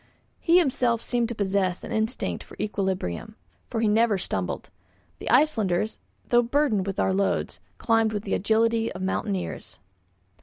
He himself seemed to possess an instinct for equilibrium, for he never stumbled. The Icelanders, though burdened with our loads, climbed with the agility of mountaineers.